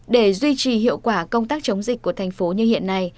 để duy trì hiệu quả công tác chống dịch của thành phố như hiện nay